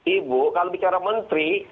ibu kalau bicara menteri